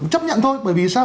chấp nhận thôi bởi vì sao